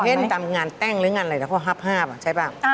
เคยเห็นตามงานแต้งหรืออะไรแล้วก็ฮาบใช่ป่ะ